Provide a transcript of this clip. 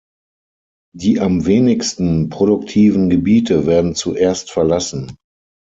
Die am wenigsten produktiven Gebiete werden zuerst verlassen.